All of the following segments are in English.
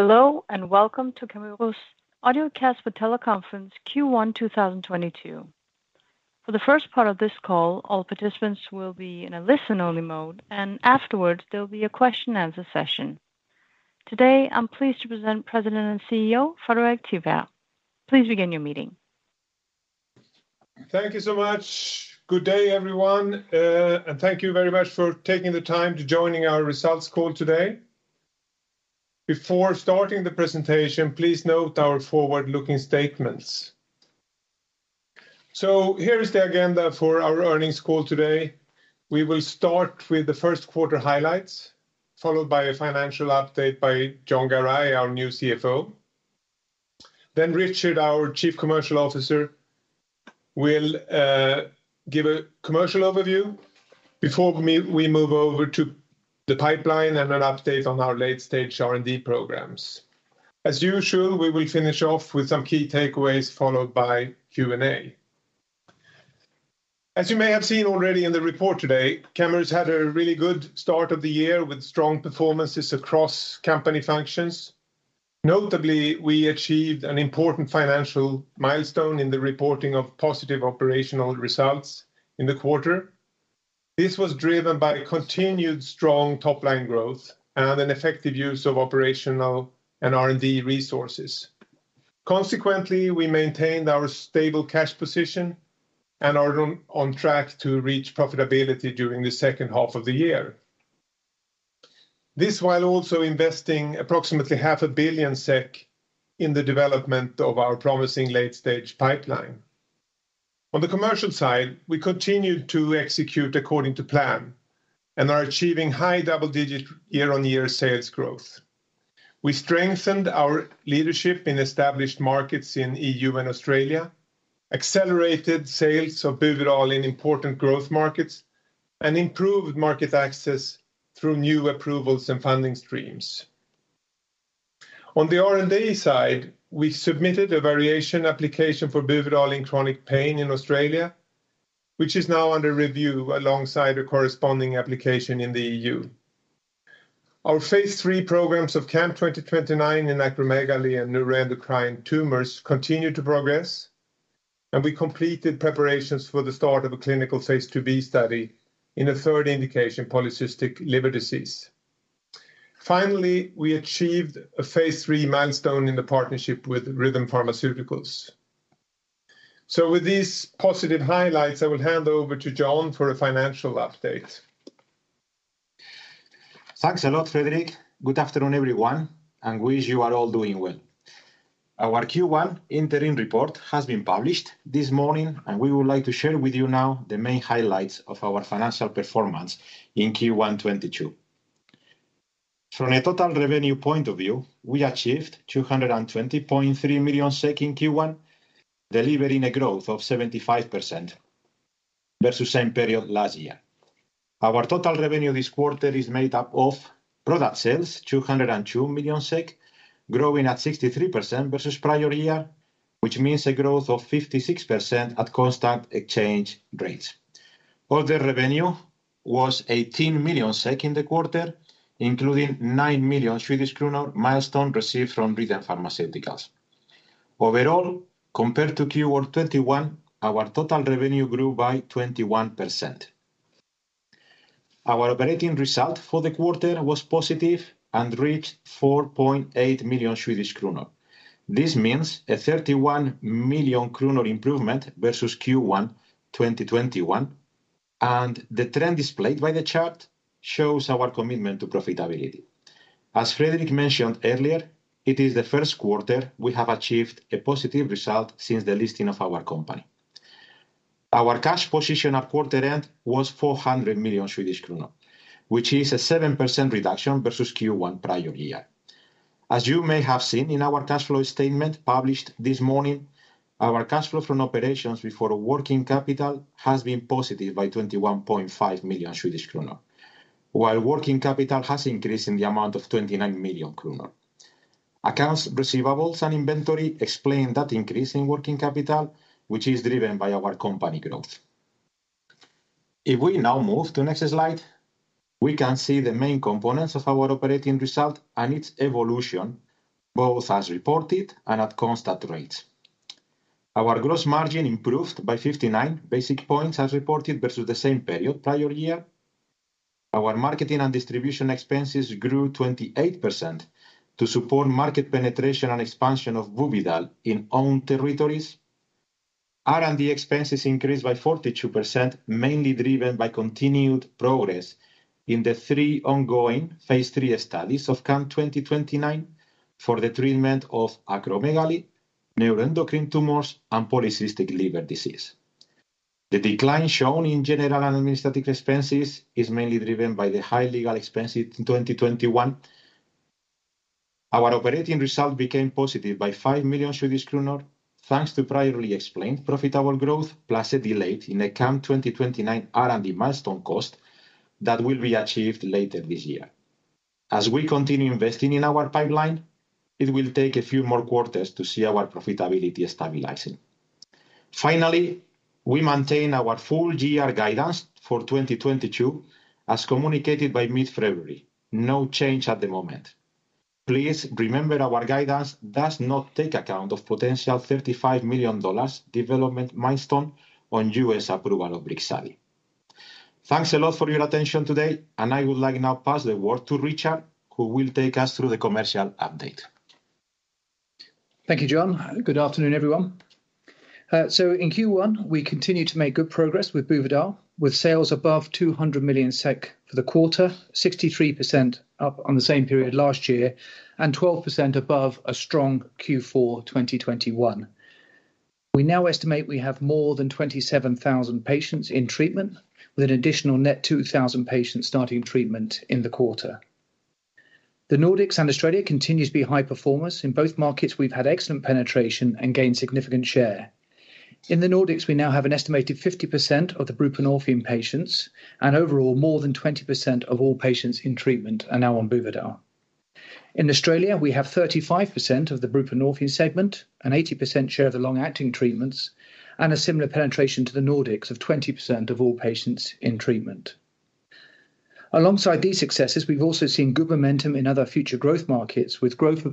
Hello, and welcome to Camurus' audiocast for teleconference Q1 2022. For the first part of this call, all participants will be in a listen-only mode, and afterwards, there'll be a question and answer session. Today, I'm pleased to present President and CEO Fredrik Tiberg. Please begin your meeting. Thank you so much. Good day, everyone, and thank you very much for taking the time to join our results call today. Before starting the presentation, please note our forward-looking statements. Here is the agenda for our earnings call today. We will start with the first quarter highlights, followed by a financial update by Jon Garay, our new CFO. Then Richard, our Chief Commercial Officer, will give a commercial overview before we move over to the pipeline and an update on our late-stage R&D programs. As usual, we will finish off with some key takeaways, followed by Q&A. As you may have seen already in the report today, Camurus had a really good start of the year with strong performances across company functions. Notably, we achieved an important financial milestone in the reporting of positive operational results in the quarter. This was driven by continued strong top-line growth and an effective use of operational and R&D resources. Consequently, we maintained our stable cash position and are on track to reach profitability during the second half of the year. This, while also investing approximately 500 million SEK in the development of our promising late-stage pipeline. On the commercial side, we continued to execute according to plan and are achieving high double-digit year-on-year sales growth. We strengthened our leadership in established markets in E.U. and Australia, accelerated sales of Buvidal in important growth markets, and improved market access through new approvals and funding streams. On the R&D side, we submitted a variation application for Buvidal in chronic pain in Australia, which is now under review alongside a corresponding application in the E.U., Our phase III programs of CAM2029 in acromegaly and neuroendocrine tumors continue to progress, and we completed preparations for the start of a clinical phase II-B study in a third indication, Polycystic Liver Disease. Finally, we achieved a phase III milestone in the partnership with Rhythm Pharmaceuticals. With these positive highlights, I will hand over to Jon for a financial update. Thanks a lot, Fredrik. Good afternoon, everyone, and we wish you are all doing well. Our Q1 interim report has been published this morning, and we would like to share with you now the main highlights of our financial performance in Q1 2022. From a total revenue point of view, we achieved 220.3 million in Q1, delivering a growth of 75% versus same period last year. Our total revenue this quarter is made up of product sales, 202 million SEK, growing at 63% versus prior year, which means a growth of 56% at constant exchange rates. Order revenue was 18 million SEK in the quarter, including 9 million Swedish kronor milestone received from Rhythm Pharmaceuticals. Overall, compared to Q1 2021, our total revenue grew by 21%. Our operating result for the quarter was positive and reached 4.8 million Swedish kronor. This means a 31 million kronor improvement versus Q1 2021, and the trend displayed by the chart shows our commitment to profitability. As Fredrik mentioned earlier, it is the first quarter we have achieved a positive result since the listing of our company. Our cash position at quarter end was 400 million Swedish kronor, which is a 7% reduction versus Q1 prior year. As you may have seen in our cash flow statement published this morning, our cash flow from operations before working capital has been positive by 21.5 million Swedish kronor, while working capital has increased in the amount of 29 million kronor. Accounts receivables and inventory explain that increase in working capital, which is driven by our company growth. If we now move to the next slide, we can see the main components of our operating result and its evolution, both as reported and at constant rates. Our gross margin improved by 59 basis points as reported versus the same period prior year. Our marketing and distribution expenses grew 28% to support market penetration and expansion of Buvidal in own territories. R&D expenses increased by 42%, mainly driven by continued progress in the three ongoing phase III studies of CAM2029 for the treatment of acromegaly, neuroendocrine tumors, and Polycystic Liver Disease. The decline shown in general administrative expenses is mainly driven by the high legal expenses in 2021. Our operating result became positive by 5 million Swedish kronor, thanks to previously explained profitable growth, plus a delay in the CAM2029 R&D milestone cost that will be achieved later this year. As we continue investing in our pipeline, it will take a few more quarters to see our profitability stabilizing. Finally, we maintain our full GR guidance for 2022 as communicated by mid-February. No change at the moment. Please remember our guidance does not take account of potential $35 million development milestone on U.S. approval of Brixadi. Thanks a lot for your attention today, and I would like now pass the word to Richard, who will take us through the commercial update. Thank you, Jon. Good afternoon, everyone. In Q1, we continued to make good progress with Buvidal, with sales above 200 million SEK for the quarter, 63% up on the same period last year, and 12% above a strong Q4 2021. We now estimate we have more than 27,000 patients in treatment, with an additional net 2,000 patients starting treatment in the quarter. The Nordics and Australia continues to be high performers. In both markets, we've had excellent penetration and gained significant share. In the Nordics, we now have an estimated 50% of the buprenorphine patients, and overall more than 20% of all patients in treatment are now on Buvidal. In Australia, we have 35% of the buprenorphine segment, an 80% share of the long-acting treatments, and a similar penetration to the Nordics of 20% of all patients in treatment. Alongside these successes, we've also seen good momentum in other future growth markets, with growth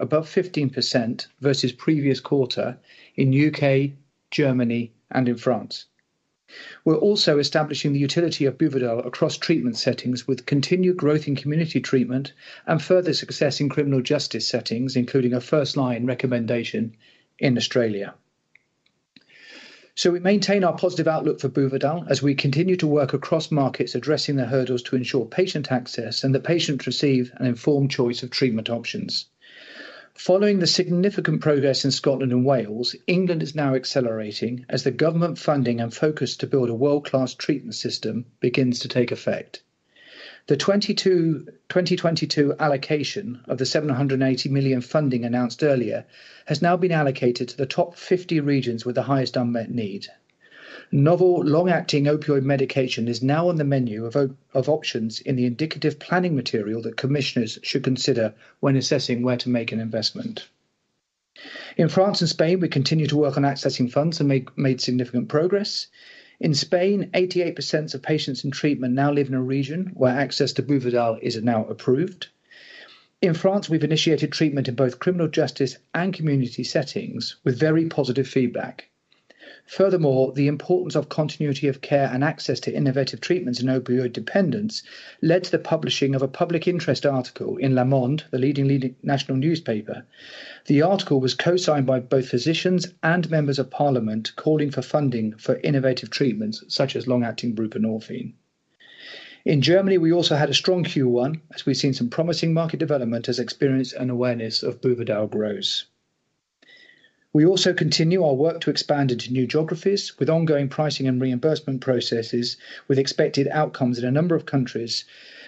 above 15% versus previous quarter in U.K., Germany, and in France. We're also establishing the utility of Buvidal across treatment settings with continued growth in community treatment and further success in criminal justice settings, including a first line recommendation in Australia. We maintain our positive outlook for Buvidal as we continue to work across markets addressing the hurdles to ensure patient access and that patients receive an informed choice of treatment options. Following the significant progress in Scotland and Wales, England is now accelerating as the government funding and focus to build a world-class treatment system begins to take effect. The 2022 allocation of the 780 million funding announced earlier has now been allocated to the top 50 regions with the highest unmet need. Novel long-acting opioid medication is now on the menu of options in the indicative planning material that commissioners should consider when assessing where to make an investment. In France and Spain, we continue to work on accessing funds and made significant progress. In Spain, 88% of patients in treatment now live in a region where access to Buvidal is now approved. In France, we've initiated treatment in both criminal justice and community settings with very positive feedback. Furthermore, the importance of continuity of care and access to innovative treatments in opioid dependence led to the publishing of a public interest article in Le Monde, the leading national newspaper. The article was co-signed by both physicians and members of parliament calling for funding for innovative treatments such as long-acting buprenorphine. In Germany, we also had a strong Q1, as we've seen some promising market development as experience and awareness of Buvidal grows. We also continue our work to expand into new geographies with ongoing pricing and reimbursement processes, with expected outcomes in a number of countries,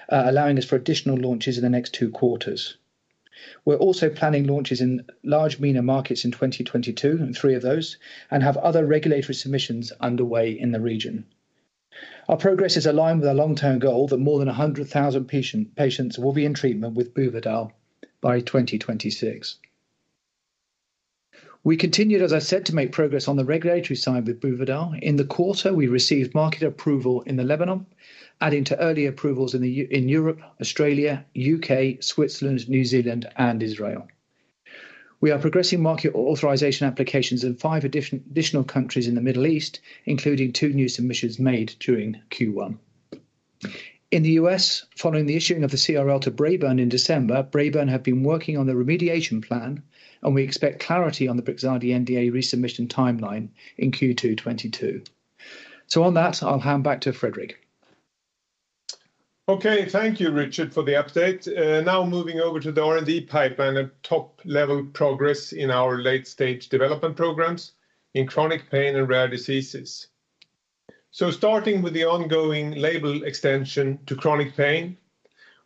allowing us for additional launches in the next two quarters. We're also planning launches in large MENA markets in 2022, in three of those, and have other regulatory submissions underway in the region. Our progress is aligned with our long-term goal that more than 100,000 patients will be in treatment with Buvidal by 2026. We continued, as I said, to make progress on the regulatory side with Buvidal. In the quarter, we received market approval in Lebanon, adding to early approvals in Europe, Australia, U.K., Switzerland, New Zealand, and Israel. We are progressing market authorization applications in five additional countries in the Middle East, including two new submissions made during Q1. In the U.S., following the issuing of the CRL to Braeburn in December, Braeburn have been working on the remediation plan, and we expect clarity on the Brixadi NDA resubmission timeline in Q2 2022. On that, I'll hand back to Fredrik. Okay. Thank you, Richard, for the update. Now moving over to the R&D pipeline and top-level progress in our late-stage development programs in chronic pain and rare diseases. Starting with the ongoing label extension to chronic pain,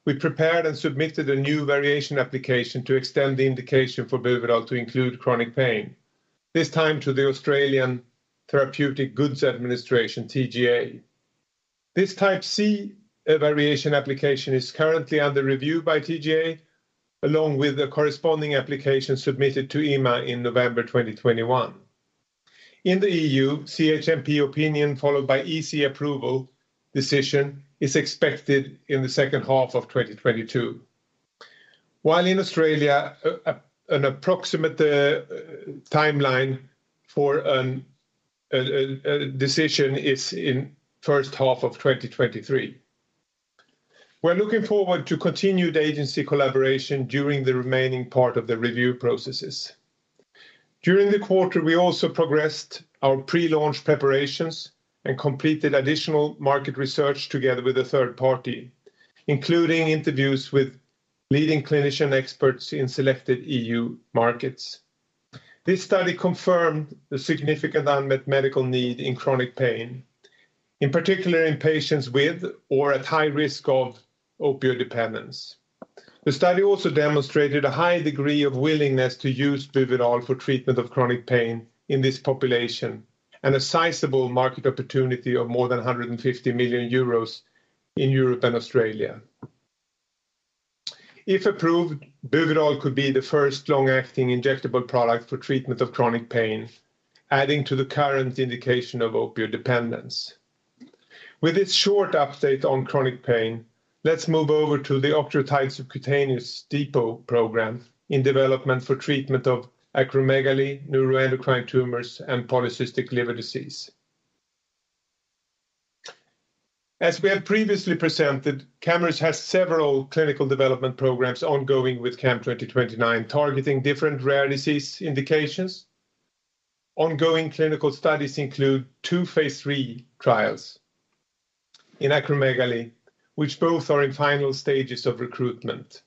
we prepared and submitted a new variation application to extend the indication for Buvidal to include chronic pain, this time to the Australian Therapeutic Goods Administration, TGA. This type C variation application is currently under review by TGA, along with the corresponding application submitted to EMA in November 2021. In the E.U., CHMP opinion, followed by EC approval decision, is expected in the second half of 2022. While in Australia, an approximate timeline for a decision is in first half of 2023. We're looking forward to continued agency collaboration during the remaining part of the review processes. During the quarter, we also progressed our pre-launch preparations and completed additional market research together with a third party, including interviews with leading clinician experts in selected E.U. markets. This study confirmed the significant unmet medical need in chronic pain, in particular in patients with or at high risk of opioid dependence. The study also demonstrated a high degree of willingness to use Buvidal for treatment of chronic pain in this population and a sizable market opportunity of more than 150 million euros in Europe and Australia. If approved, Buvidal could be the first long-acting injectable product for treatment of chronic pain, adding to the current indication of opioid dependence. With this short update on chronic pain, let's move over to the octreotide subcutaneous depot program in development for treatment of acromegaly, neuroendocrine tumors, and Polycystic Liver Disease. As we have previously presented, Camurus has several clinical development programs ongoing with CAM2029 targeting different rare disease indications. Ongoing clinical studies include two phase III trials in acromegaly which both are in final stages of recruitment.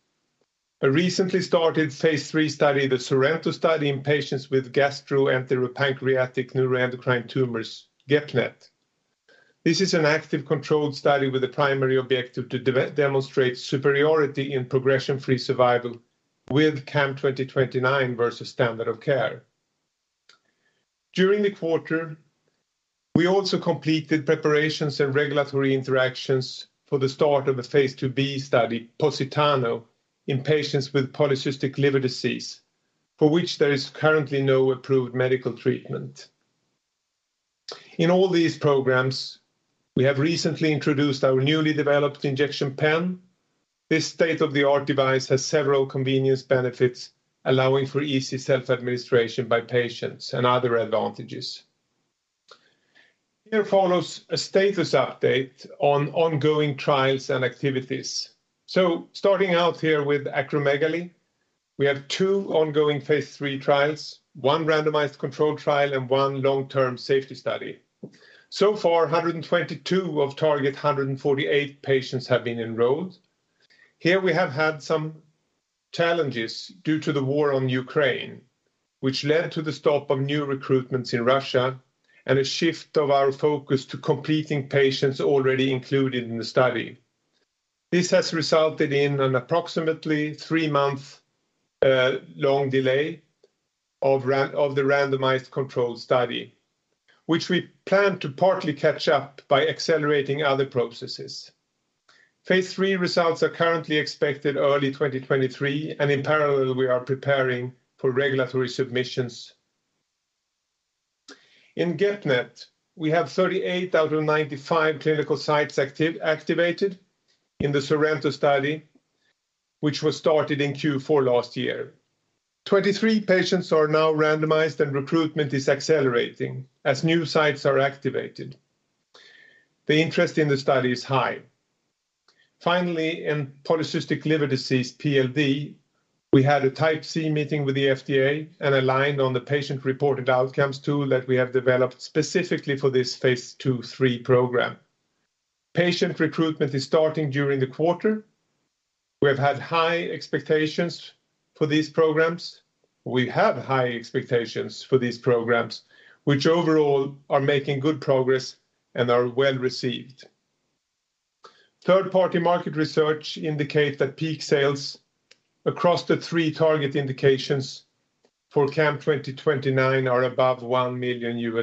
A recently started phase III study, the SORENTO study, in patients with GastroEnteroPancreatic NeuroEndocrine Tumors, GEPNET. This is an active controlled study with the primary objective to demonstrate superiority in progression-free survival with CAM2029 versus standard of care. During the quarter, we also completed preparations and regulatory interactions for the start of a phase II-B study, POSITANO, in patients with Polycystic Liver Disease for which there is currently no approved medical treatment. In all these programs, we have recently introduced our newly developed injection pen. This state-of-the-art device has several convenience benefits, allowing for easy self-administration by patients and other advantages. Here follows a status update on ongoing trials and activities. Starting out here with acromegaly, we have two ongoing phase III trials, one randomized controlled trial and one long-term safety study. So far, 122 of target 148 patients have been enrolled. Here we have had some challenges due to the war in Ukraine, which led to the stop of new recruitments in Russia and a shift of our focus to completing patients already included in the study. This has resulted in an approximately three-month long delay of the randomized controlled study, which we plan to partly catch up by accelerating other processes. Phase III results are currently expected early 2023, and in parallel we are preparing for regulatory submissions. In GEPNET, we have 38 out of 95 clinical sites activated in the SORENTO study, which was started in Q4 last year. 23 patients are now randomized, and recruitment is accelerating as new sites are activated. The interest in the study is high. Finally, in Polycystic Liver Disease, PLD, we had a type C meeting with the FDA and aligned on the patient-reported outcomes tool that we have developed specifically for this phase 2-3 program. Patient recruitment is starting during the quarter. We have had high expectations for these programs. We have high expectations for these programs, which overall are making good progress and are well received. Third-party market research indicate that peak sales across the three target indications for CAM2029 are above $1 million.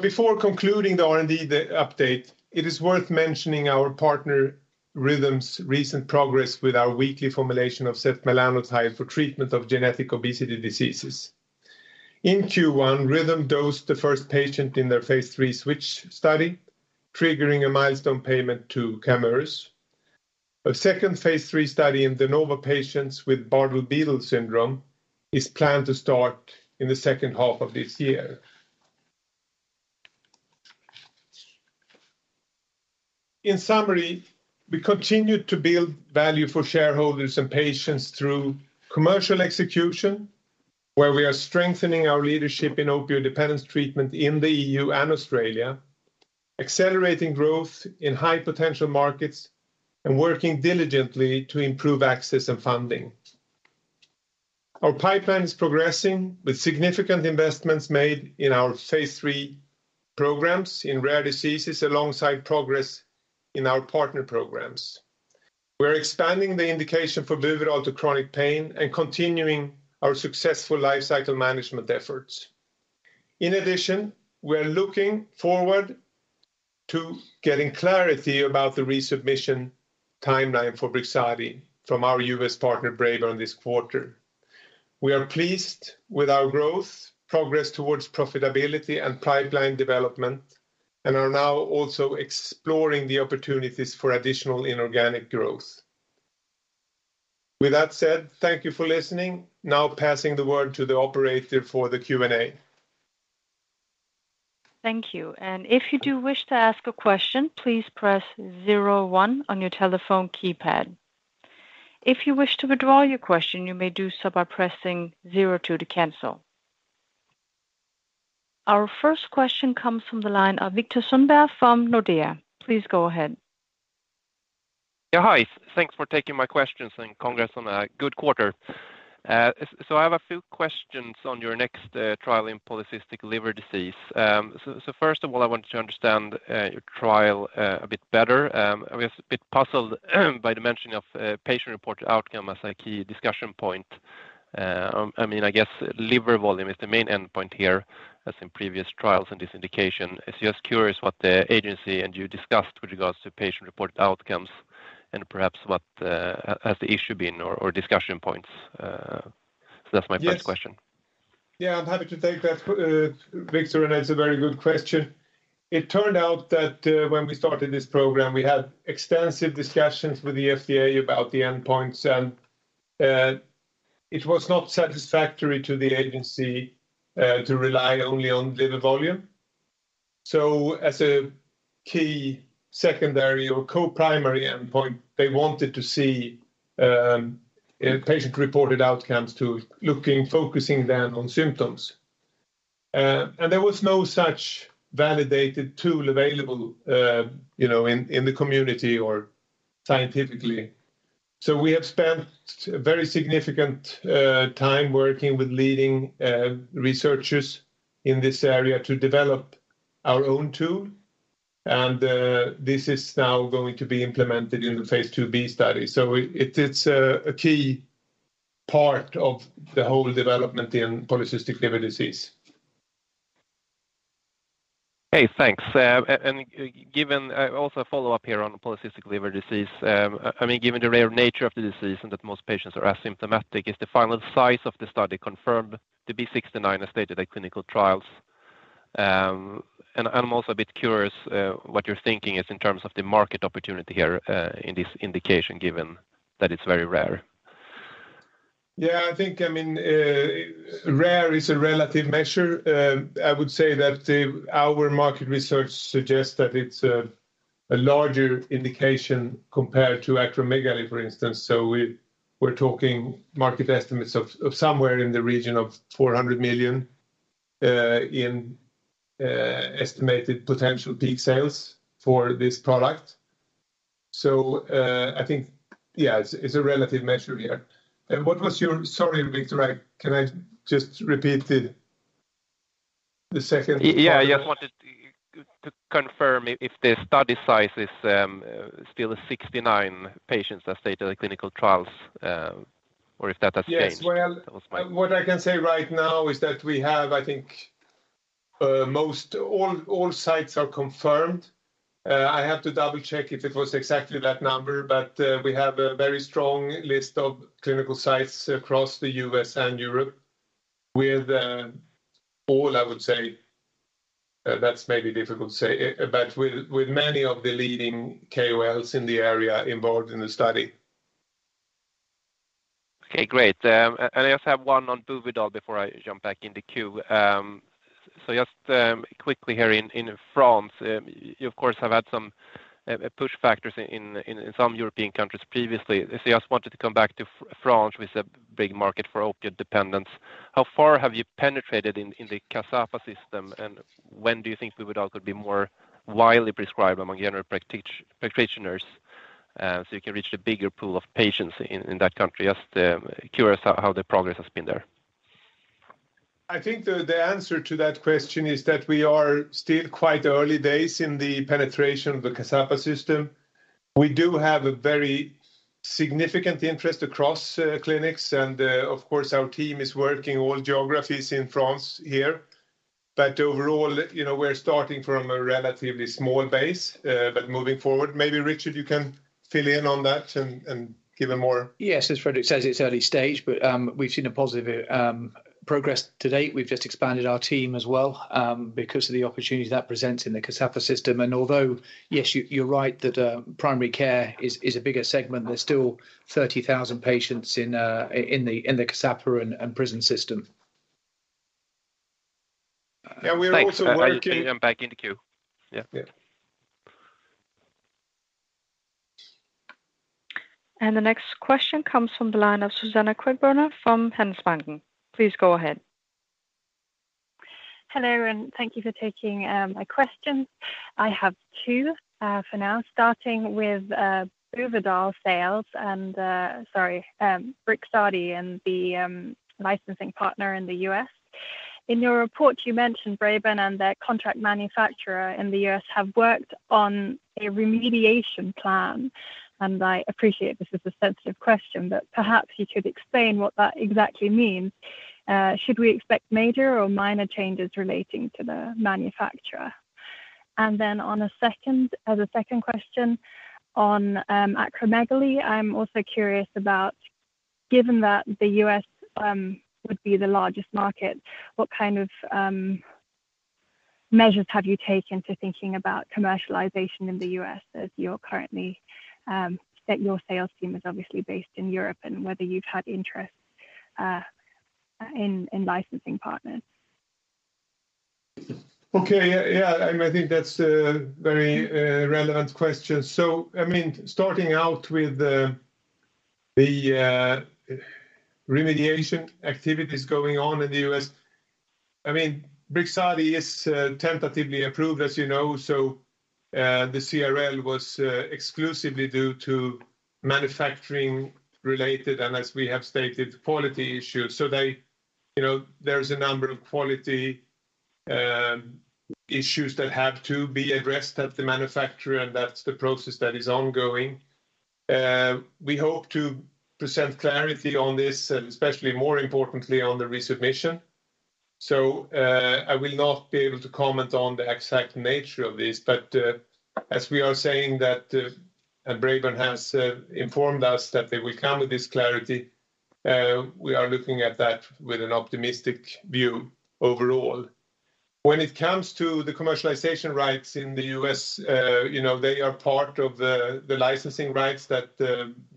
Before concluding the R&D update, it is worth mentioning our partner Rhythm's recent progress with our weekly formulation of setmelanotide for treatment of genetic obesity diseases. In Q1, Rhythm dosed the first patient in their phase III switch study, triggering a milestone payment to Camurus. A second phase III study in de novo patients with Bardet-Biedl syndrome is planned to start in the second half of this year. In summary, we continued to build value for shareholders and patients through commercial execution, where we are strengthening our leadership in opioid dependence treatment in the E.U. and Australia, accelerating growth in high-potential markets, and working diligently to improve access and funding. Our pipeline is progressing with significant investments made in our phase III programs in rare diseases, alongside progress in our partner programs. We're expanding the indication for Buvidal to chronic pain and continuing our successful lifecycle management efforts. In addition, we are looking forward to getting clarity about the resubmission timeline for Brixadi from our U.S. partner Braeburn this quarter. We are pleased with our growth, progress towards profitability and pipeline development, and are now also exploring the opportunities for additional inorganic growth. With that said, thank you for listening. Now passing the word to the operator for the Q&A. Thank you. If you do wish to ask a question, please press zero one on your telephone keypad. If you wish to withdraw your question, you may do so by pressing zero two to cancel. Our first question comes from the line of Viktor Sundberg from Nordea. Please go ahead. Yeah, hi. Thanks for taking my questions and congrats on a good quarter. So I have a few questions on your next trial in Polycystic Liver Disease. So first of all, I wanted to understand your trial a bit better. I was a bit puzzled by the mention of patient-reported outcome as a key discussion point. I mean, I guess liver volume is the main endpoint here as in previous trials in this indication. It's just curious what the agency and you discussed with regards to patient-reported outcomes and perhaps what has the issue been or discussion points. So that's my first question. Yes. Yeah, I'm happy to take that, Viktor, and that's a very good question. It turned out that, when we started this program, we had extensive discussions with the FDA about the endpoints, and it was not satisfactory to the agency to rely only on liver volume. As a key secondary or co-primary endpoint, they wanted to see patient-reported outcomes to looking, focusing then on symptoms. There was no such validated tool available, you know, in the community or scientifically. We have spent a very significant time working with leading researchers in this area to develop our own tool, and this is now going to be implemented in the phase II-B study. It's a key part of the whole development in Polycystic Liver Disease. Okay, thanks. Given also a follow-up here on Polycystic Liver Disease. I mean, given the rare nature of the disease and that most patients are asymptomatic, is the final size of the study confirmed to be 69 as stated at clinical trials? I'm also a bit curious what you're thinking is in terms of the market opportunity here in this indication, given that it's very rare. Yeah, I think, I mean, rare is a relative measure. I would say that our market research suggests that it's a larger indication compared to acromegaly, for instance. We're talking market estimates of somewhere in the region of 400 million estimated potential peak sales for this product. I think, yeah, it's a relative measure here. What was your? Sorry, Viktor. Can I just repeat the second part of? Yeah, yeah. I just wanted to confirm if the study size is still 69 patients as stated at clinical trials, or if that has changed? Yes. Well. That was my- What I can say right now is that we have, I think, all sites are confirmed. I have to double-check if it was exactly that number. But we have a very strong list of clinical sites across the U.S. and Europe with all I would say that's maybe difficult to say. But with many of the leading KOLs in the area involved in the study. Okay, great. I also have one on Buvidal before I jump back in the queue. So just quickly here in France, you of course have had some push factors in some European countries previously. If you just wanted to come back to France with a big market for opiate dependence. How far have you penetrated in the CSAPA system, and when do you think Buvidal could be more widely prescribed among general practitioners, so you can reach the bigger pool of patients in that country? Just curious how the progress has been there. I think the answer to that question is that we are still quite early days in the penetration of the CSAPA system. We do have a very significant interest across clinics, and of course, our team is working all geographies in France here. Overall, you know, we're starting from a relatively small base, but moving forward. Maybe Richard, you can fill in on that and give a more- Yes. As Fredrik says, it's early stage, but we've seen a positive progress to date. We've just expanded our team as well, because of the opportunities that presents in the CSAPA system. Although, yes, you're right that primary care is a bigger segment, there's still 30,000 patients in the CSAPA and prison system. Yeah, we are also working. Thanks. I'll let you jump back in the queue. Yeah. Yeah. The next question comes from the line of Suzanna Queckbörner from Handelsbanken. Please go ahead. Hello, and thank you for taking my questions. I have two for now, starting with Buvidal sales and, sorry, Braeburn and the licensing partner in the U.S., In your report, you mentioned Braeburn and their contract manufacturer in the U.S. have worked on a remediation plan, and I appreciate this is a sensitive question, but perhaps you could explain what that exactly means. Should we expect major or minor changes relating to the manufacturer? Then on a second, as a second question on acromegaly, I'm also curious about, given that the U.S. would be the largest market, what kind of measures have you taken to thinking about commercialization in the U.S. as you're currently that your sales team is obviously based in Europe and whether you've had interest in licensing partners? Okay. Yeah. I mean, I think that's a very relevant question. I mean, starting out with the remediation activities going on in the U.S., I mean, Brixadi is tentatively approved, as you know, the CRL was exclusively due to manufacturing-related, and as we have stated, quality issues. They, you know, there's a number of quality issues that have to be addressed at the manufacturer, and that's the process that is ongoing. We hope to present clarity on this and especially more importantly on the resubmission. I will not be able to comment on the exact nature of this, but, as we are saying that, Braeburn has informed us that they will come with this clarity, we are looking at that with an optimistic view overall. When it comes to the commercialization rights in the U.S., they are part of the licensing rights that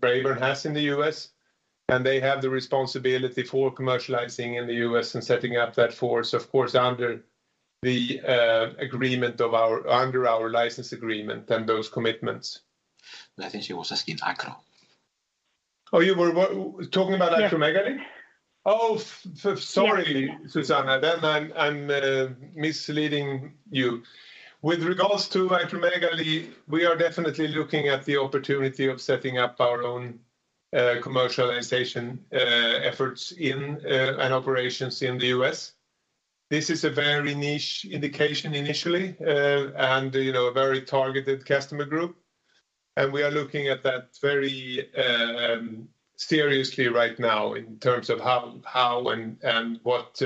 Braeburn has in the U.S., and they have the responsibility for commercializing in the U.S. and setting up that sales force, of course, under our license agreement and those commitments. I think she was asking Acro. Oh, you were talking about acromegaly? Yeah. Oh, sorry, Suzanna. Yeah. I'm misleading you. With regards to acromegaly, we are definitely looking at the opportunity of setting up our own commercialization efforts in and operations in the U.S., This is a very niche indication initially, and you know, a very targeted customer group. We are looking at that very seriously right now in terms of how and what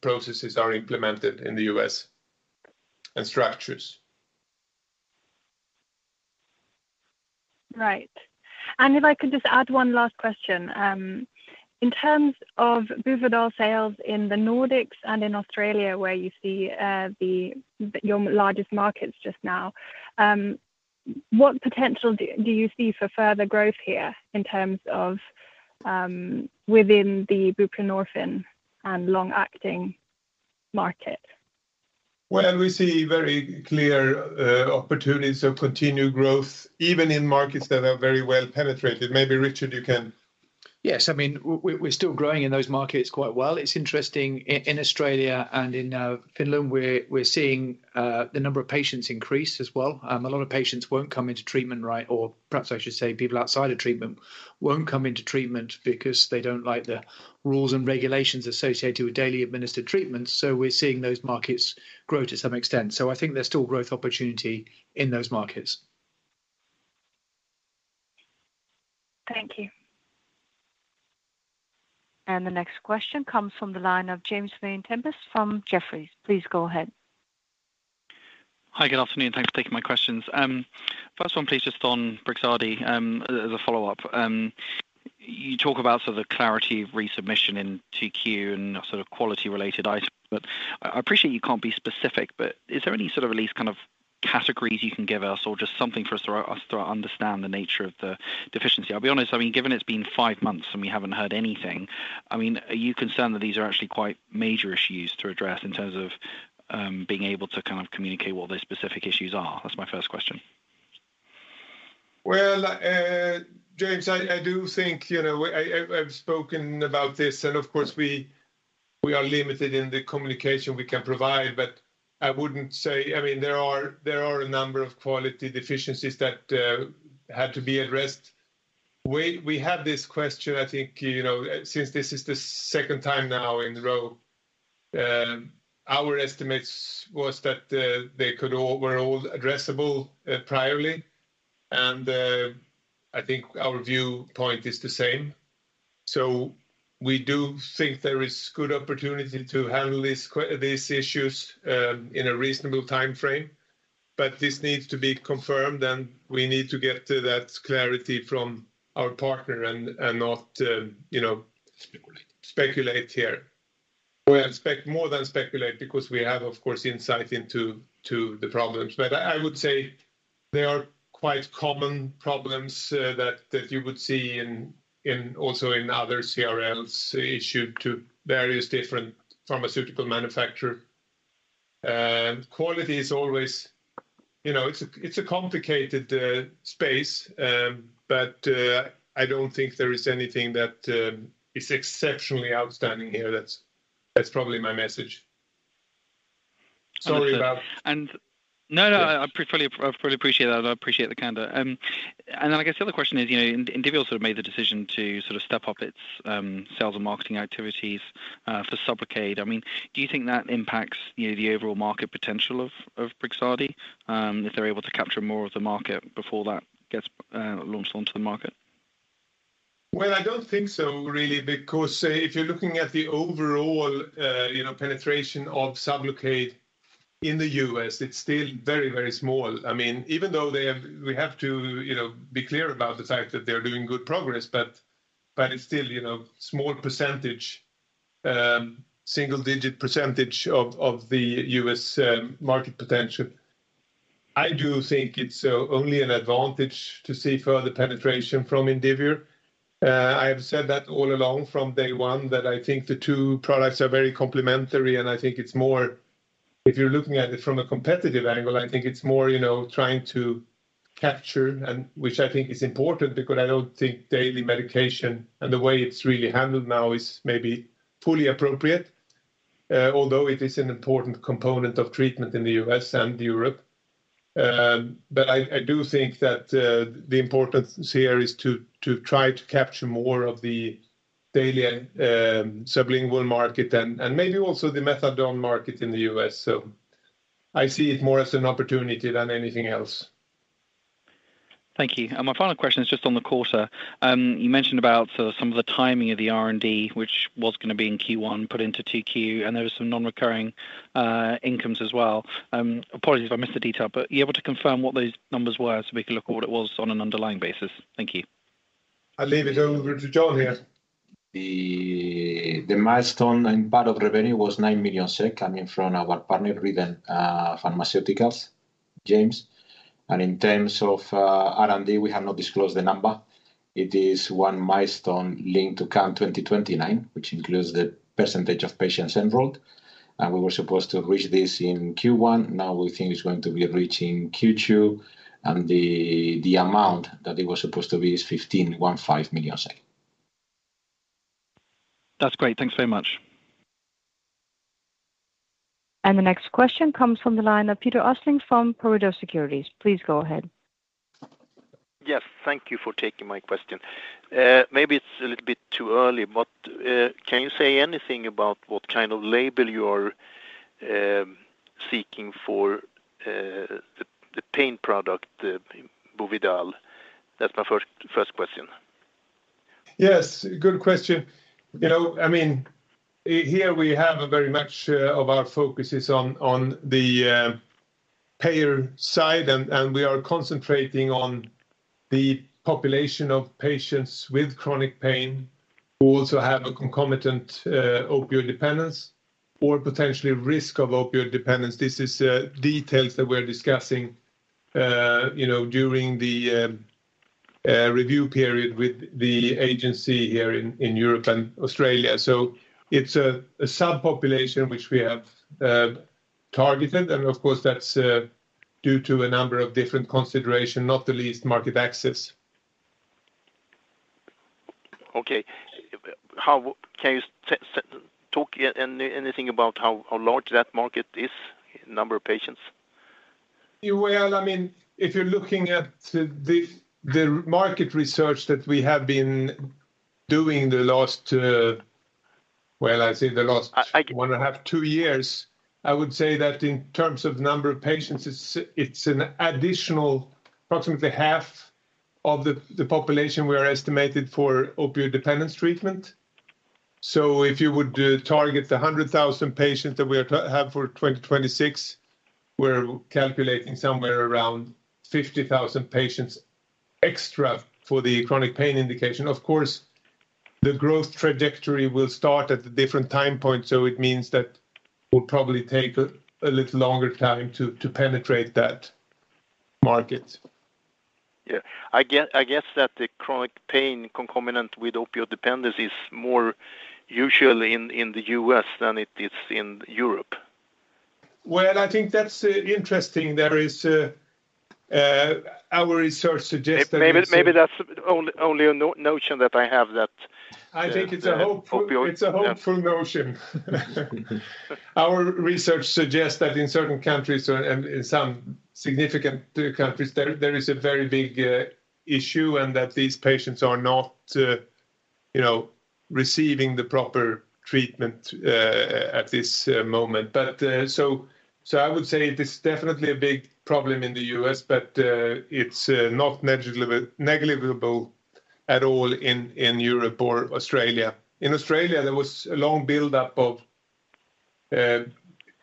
processes are implemented in the U.S., and structures. Right. If I could just add one last question. In terms of Buvidal sales in the Nordics and in Australia, where you see your largest markets just now, what potential do you see for further growth here in terms of within the buprenorphine and long-acting market? Well, we see very clear opportunities of continued growth, even in markets that are very well penetrated. Maybe Richard, you can- Yes. I mean, we're still growing in those markets quite well. It's interesting in Australia and in Finland, we're seeing the number of patients increase as well. A lot of patients won't come into treatment, right, or perhaps I should say people outside of treatment won't come into treatment because they don't like the rules and regulations associated with daily administered treatments. We're seeing those markets grow to some extent. I think there's still growth opportunity in those markets. Thank you. The next question comes from the line of James Vane-Tempest from Jefferies. Please go ahead. Hi, good afternoon. Thanks for taking my questions. First one, please, just on Brixadi, as a follow-up. You talk about sort of clarity resubmission in 2Q and sort of quality-related items. But I appreciate you can't be specific, but is there any sort of at least kind of categories you can give us or just something for us to understand the nature of the deficiency? I'll be honest, I mean, given it's been five months and we haven't heard anything, I mean, are you concerned that these are actually quite major issues to address in terms of being able to kind of communicate what those specific issues are? That's my first question. Well, James, I do think, you know, I have spoken about this and, of course, we are limited in the communication we can provide, but I wouldn't say. I mean, there are a number of quality deficiencies that had to be addressed. We had this question, I think, you know, since this is the second time now in a row, our estimates was that they were all addressable priorly. I think our viewpoint is the same. We do think there is good opportunity to handle these issues in a reasonable timeframe, but this needs to be confirmed, and we need to get that clarity from our partner and not, you know. Speculate. Speculate here. More than speculate because we have, of course, insight into the problems. I would say they are quite common problems that you would see in also in other CRLs issued to various different pharmaceutical manufacturer. Quality is always, it's a complicated space. I don't think there is anything that is exceptionally outstanding here. That's probably my message. Sorry about. Understood. No, I fully appreciate that. I appreciate the candor. I guess the other question is, you know, Indivior sort of made the decision to sort of step up its sales and marketing activities for Sublocade. I mean, do you think that impacts, you know, the overall market potential of Brixadi, if they're able to capture more of the market before that gets launched onto the market? Well, I don't think so really because if you're looking at the overall, you know, penetration of Sublocade in the U.S., it's still very, very small. I mean, even though we have to, you know, be clear about the fact that they're doing good progress, but it's still, you know, small percentage, single digit percentage of the U.S. market potential. I do think it's only an advantage to see further penetration from Indivior. I have said that all along from day one, that I think the two products are very complementary, and I think it's more. If you're looking at it from a competitive angle, I think it's more, you know, trying to capture and which I think is important because I don't think daily medication and the way it's really handled now is maybe fully appropriate, although it is an important component of treatment in the U.S. and Europe, but I do think that the importance here is to try to capture more of the daily sublingual market and maybe also the methadone market in the U.S. I see it more as an opportunity than anything else. Thank you. My final question is just on the quarter. You mentioned about sort of some of the timing of the R&D, which was gonna be in Q1 put into Q2, and there were some non-recurring incomes as well. Apologies if I missed the detail, but are you able to confirm what those numbers were so we can look at what it was on an underlying basis? Thank you. I'll leave it over to Jon here. The milestone and part of revenue was 9 million SEK coming from our partner, Rhythm Pharmaceuticals, James. In terms of R&D, we have not disclosed the number. It is one milestone linked to CAM2029, which includes the percentage of patients enrolled. We were supposed to reach this in Q1. Now we think it's going to be reaching Q2, and the amount that it was supposed to be is 15.5 million. That's great. Thanks very much. The next question comes from the line of Peter Östling from Pareto Securities. Please go ahead. Yes, thank you for taking my question. Maybe it's a little bit too early, but can you say anything about what kind of label you are seeking for the pain product, the Buvidal? That's my first question. Yes, good question. You know, I mean, here we have a very much of our focus is on the payer side, and we are concentrating on the population of patients with chronic pain who also have a concomitant opioid dependence or potentially risk of opioid dependence. This is details that we're discussing, you know, during the review period with the agency here in Europe and Australia. So it's a subpopulation which we have targeted. Of course, that's due to a number of different consideration, not the least market access. Okay. Can you say anything about how large that market is, number of patients? Well, I mean, if you're looking at the market research that we have been doing the last, well, I'd say the last- One and a half, two years, I would say that in terms of number of patients, it's an additional approximately half of the population we have estimated for opioid dependence treatment. If you would target the 100,000 patients that we have for 2026, we're calculating somewhere around 50,000 patients extra for the chronic pain indication. Of course, the growth trajectory will start at a different time point, so it means that it will probably take a little longer time to penetrate that market. Yeah. I guess that the chronic pain concomitant with opioid dependence is more usually in the U.S. than it is in Europe. Well, I think that's interesting. Our research suggests that Maybe that's only a notion that I have. I think it's a hope- -opioid It's a hopeful notion. Our research suggests that in certain countries and in some significant countries, there is a very big issue and that these patients are not, you know, receiving the proper treatment at this moment. I would say it is definitely a big problem in the U.S., but it's not negligible at all in Europe or Australia. In Australia, there was a long buildup of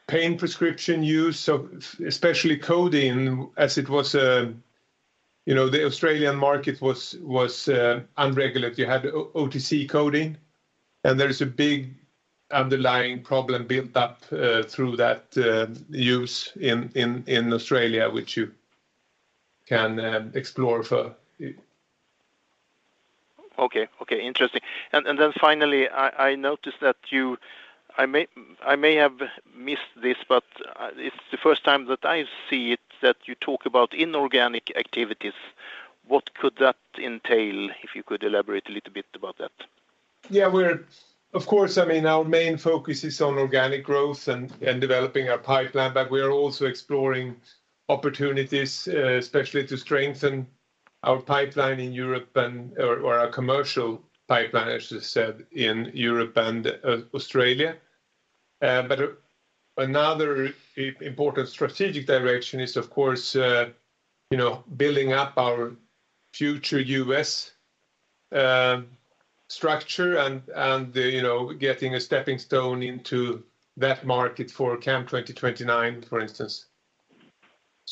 pain prescription use of especially codeine as it was. You know, the Australian market was unregulated. You had OTC codeine, and there is a big underlying problem built up through that use in Australia, which you can explore for. Okay, interesting. Finally, I may have missed this, but it's the first time that I see it, that you talk about inorganic activities. What could that entail? If you could elaborate a little bit about that. Of course, I mean, our main focus is on organic growth and developing our pipeline, but we are also exploring opportunities, especially to strengthen our pipeline in Europe or our commercial pipeline, as you said, in Europe and Australia. Another important strategic direction is, of course, you know, building up our future U.S. structure and you know, getting a stepping stone into that market for CAM2029, for instance.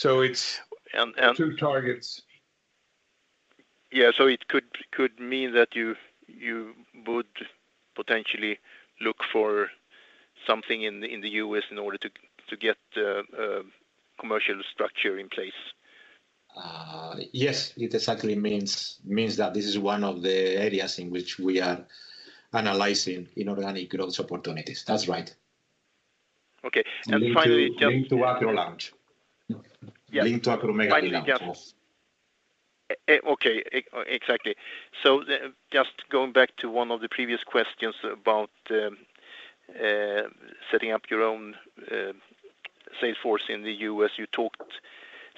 It is. And, and- two targets. Yeah. It could mean that you would potentially look for something in the U.S. in order to get commercial structure in place. Yes. It exactly means that this is one of the areas in which we are analyzing inorganic growth opportunities. That's right. Okay. Finally Link to acromegaly. Yeah. Link to acromegaly link, yes. Exactly. Just going back to one of the previous questions about setting up your own sales force in the U.S., You talked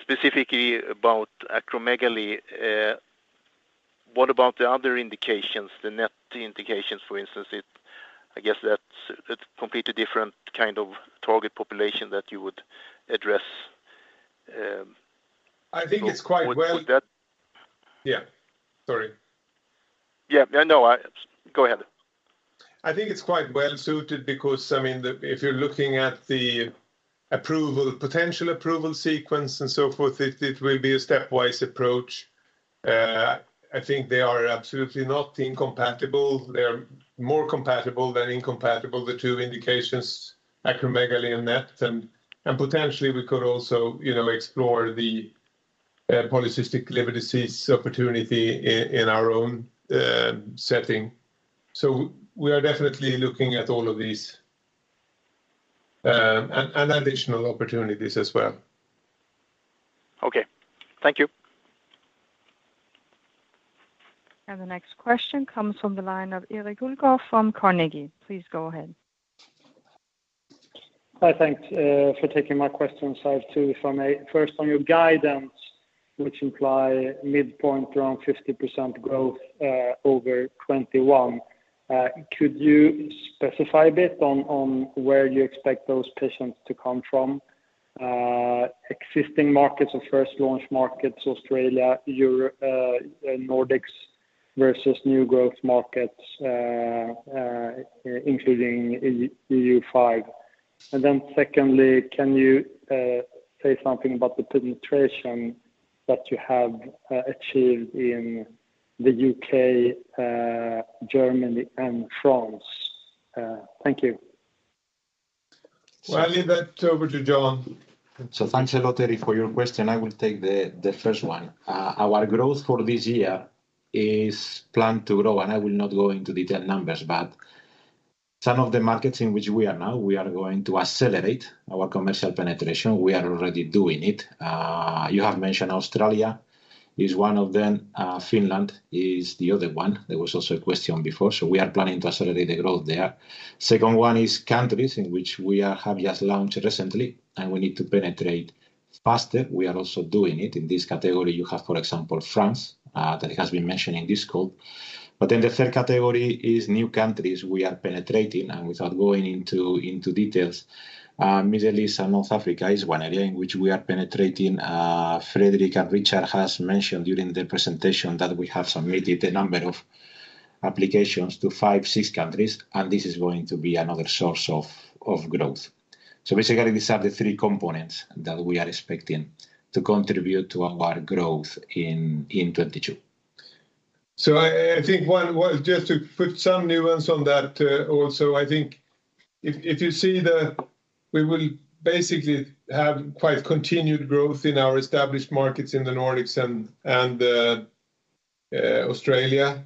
specifically about acromegaly. What about the other indications, the NET indications, for instance? I guess that's completely different kind of target population that you would address. I think it's quite well. Would, would that- Yeah. Sorry. Yeah. Yeah, no. Go ahead. I think it's quite well-suited because, I mean, if you're looking at the approval, potential approval sequence and so forth, it will be a stepwise approach. I think they are absolutely not incompatible. They're more compatible than incompatible, the two indications, acromegaly and NET. Potentially we could also, you know, explore the Polycystic Liver Disease opportunity in our own setting. We are definitely looking at all of these and additional opportunities as well. Okay. Thank you. The next question comes from the line of Erik Hultgård from Carnegie. Please go ahead. Hi. Thanks for taking my questions. I have two if I may. First, on your guidance which imply midpoint around 50% growth over 2021, could you specify a bit on where you expect those patients to come from, existing markets or first launch markets, Australia, Nordics versus new growth markets, including E.U. Five? And then secondly, can you say something about the penetration that you have achieved in the U.K., Germany, and France? Thank you. Well, I leave that over to Jon. Thanks a lot, Erik, for your question. I will take the first one. Our growth for this year is planned to grow, and I will not go into detailed numbers, but some of the markets in which we are now, we are going to accelerate our commercial penetration. We are already doing it. You have mentioned Australia is one of them. Finland is the other one. There was also a question before. We are planning to accelerate the growth there. Second one is countries in which we have just launched recently, and we need to penetrate faster. We are also doing it. In this category you have, for example, France, that has been mentioned in this call. The third category is new countries we are penetrating. Without going into details, Middle East and North Africa is one area in which we are penetrating. Fredrik and Richard has mentioned during the presentation that we have submitted a number of applications to five, six countries, and this is going to be another source of growth. Basically, these are the three components that we are expecting to contribute to our growth in 2022. I think. Just to put some nuance on that, also, I think if you see the. We will basically have quite continued growth in our established markets in the Nordics and Australia.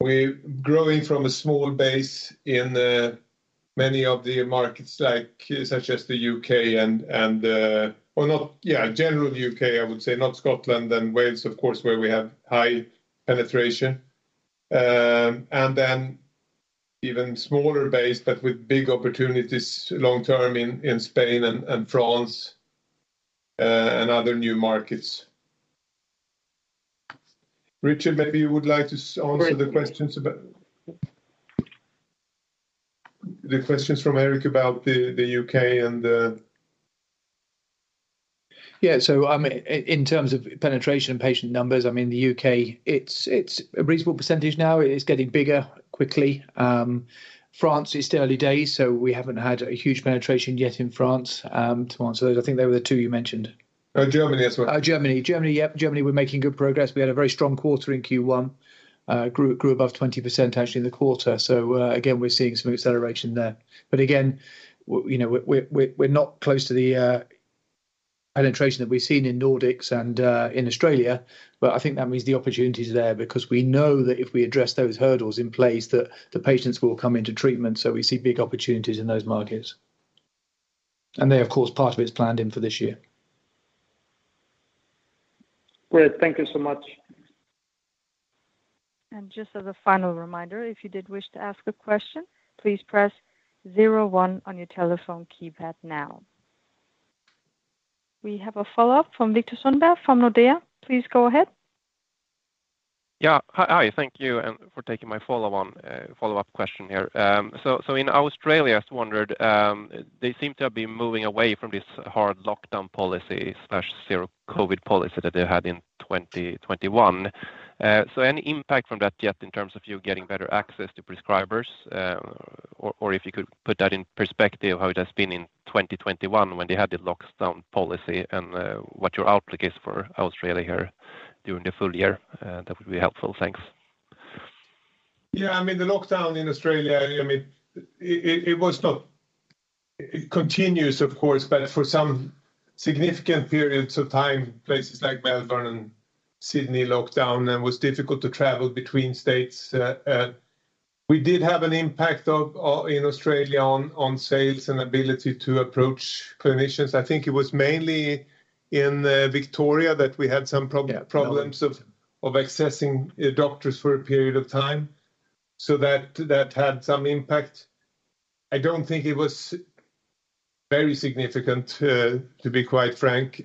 We're growing from a small base in many of the markets, like, such as the U.K. and. Well, generally U.K., I would say, not Scotland and Wales, of course, where we have high penetration. And then even smaller base but with big opportunities long-term in Spain and France, and other new markets. Richard, maybe you would like to answer the questions about. Great. The questions from Erik about the UK. In terms of penetration patient numbers, I mean, the U.K., it's a reasonable percentage now. It is getting bigger quickly. France, it's early days, so we haven't had a huge penetration yet in France, to answer those. I think they were the two you mentioned. Germany as well. Germany. Yep, we're making good progress. We had a very strong quarter in Q1. Grew above 20% actually in the quarter. We're seeing some acceleration there. Again, we, you know, we're not close to the penetration that we've seen in Nordics and in Australia, but I think that means the opportunity is there because we know that if we address those hurdles in place that the patients will come into treatment. We see big opportunities in those markets. They of course part of it is planned in for this year. Great. Thank you so much. Just as a final reminder, if you did wish to ask a question, please press zero-one on your telephone keypad now. We have a follow-up from Viktor Sundberg from Nordea. Please go ahead. Yeah. Hi. Thank you for taking my follow-up question here. So in Australia, I just wondered, they seem to have been moving away from this hard lockdown policy, zero-COVID policy that they had in 2021. So any impact from that yet in terms of you getting better access to prescribers? Or if you could put that in perspective how it has been in 2021 when they had the lockdown policy and what your outlook is for Australia here during the full year. That would be helpful. Thanks. Yeah. I mean, the lockdown in Australia, I mean, it was not continuous of course, but for some significant periods of time, places like Melbourne and Sydney locked down and was difficult to travel between states. We did have an impact of in Australia on sales and ability to approach clinicians. I think it was mainly in Victoria that we had some problem. Yeah Problems of accessing doctors for a period of time. That had some impact. I don't think it was very significant to be quite frank.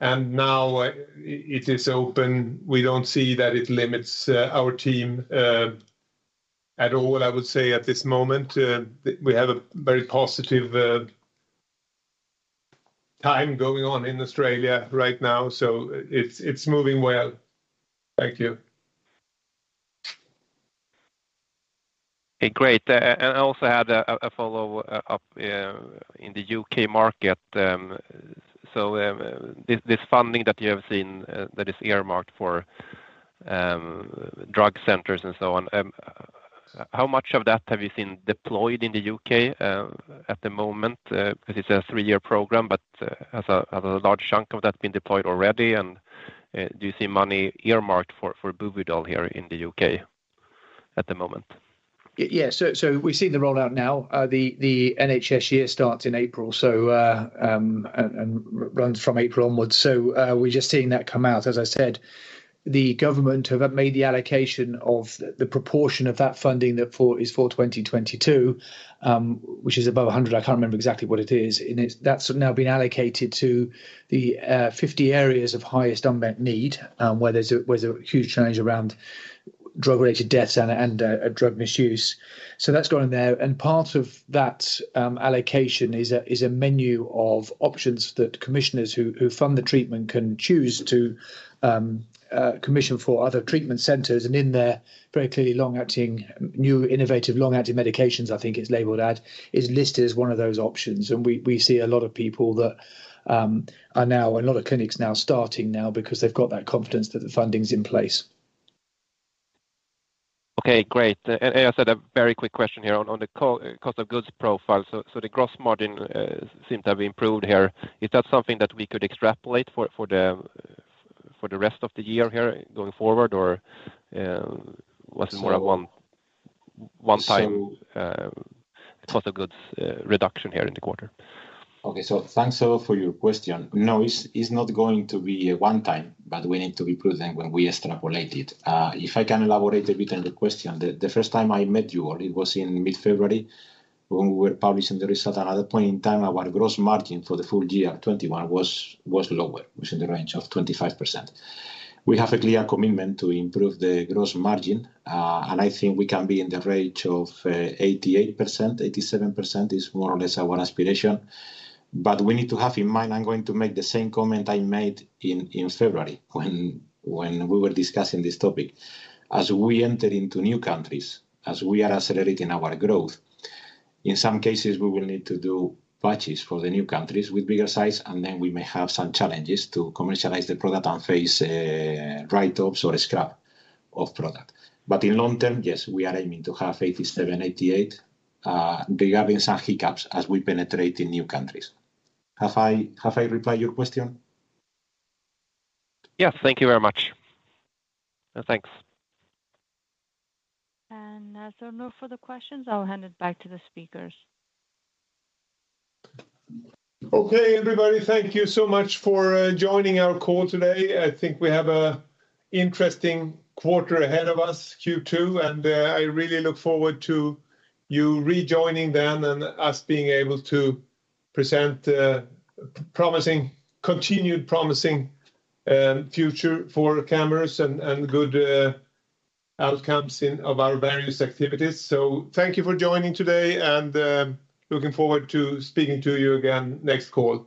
Now it is open. We don't see that it limits our team at all. I would say at this moment we have a very positive time going on in Australia right now, so it's moving well. Thank you. Great. I also had a follow up in the U.K. market. This funding that you have seen that is earmarked for drug centers and so on, how much of that have you seen deployed in the U.K. at the moment? Because it's a three-year program, but has a large chunk of that been deployed already? Do you see money earmarked for Buvidal here in the U.K. at the moment? Yes. We're seeing the rollout now. The NHS year starts in April and runs from April onwards. We're just seeing that come out. As I said, the government have made the allocation of the proportion of that funding that is for 2022, which is above 100. I can't remember exactly what it is. That's now been allocated to the 50 areas of highest unmet need, where there's a huge challenge around drug-related deaths and drug misuse. That's going there. Part of that allocation is a menu of options that commissioners who fund the treatment can choose to commission for other treatment centers. In there, very clearly long-acting, new innovative long-acting medications, I think it's labeled as, is listed as one of those options. We see a lot of clinics now starting now because they've got that confidence that the funding's in place. Okay, great. I just had a very quick question here on the cost of goods profile. The gross margin seems to have improved here. Is that something that we could extrapolate for the rest of the year here going forward, or was it more of a one-time cost of goods reduction here in the quarter? Okay. Thanks a lot for your question. No, it's not going to be a one time, but we need to be prudent when we extrapolate it. If I can elaborate a bit on the question. The first time I met you all, it was in mid-February when we were publishing the result. At that point in time, our gross margin for the full year 2021 was lower, which in the range of 25%. We have a clear commitment to improve the gross margin, and I think we can be in the range of 88%. 87% is more or less our aspiration. We need to have in mind, I'm going to make the same comment I made in February when we were discussing this topic. As we enter into new countries, as we are accelerating our growth, in some cases, we will need to do batches for the new countries with bigger size, and then we may have some challenges to commercialize the product and face write-offs or scrap of product. In long term, yes, we are aiming to have 87%-88% regarding some hiccups as we penetrate in new countries. Have I replied your question? Yeah. Thank you very much. Thanks. No further questions. I'll hand it back to the speakers. Okay, everybody. Thank you so much for joining our call today. I think we have a interesting quarter ahead of us, Q2, and I really look forward to you rejoining then and us being able to present a promising continued promising future for Camurus and good outcomes of our various activities. Thank you for joining today, and looking forward to speaking to you again next call.